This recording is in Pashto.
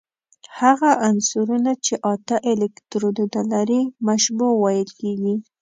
هغه عنصرونه چې اته الکترونونه لري مشبوع ویل کیږي.